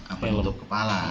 apa itu kepala